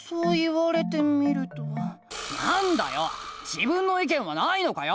自分の意見はないのかよ！